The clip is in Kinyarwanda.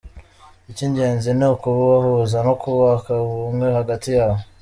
Icy’ingenzi ni ukubahuza no kubaka ubumwe hagati yabo.